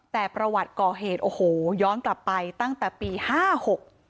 แต่ประวัติก่อเหตุโอ้โหย้อนกลับไปตั้งแต่ปีห้าหก